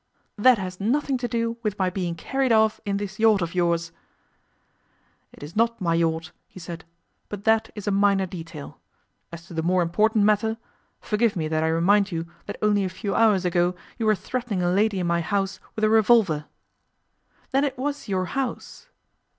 'That has nothing to do with my being carried off in this yacht of yours.' 'It is not my yacht,' he said, 'but that is a minor detail. As to the more important matter, forgive me that I remind you that only a few hours ago you were threatening a lady in my house with a revolver.' 'Then it was your house?